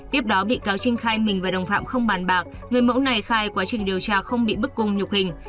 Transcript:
tiếp đó bị cáo trinh khai mình và đồng phạm không bàn bạc người mẫu này khai quá trình điều tra không bị bức cung nhục hình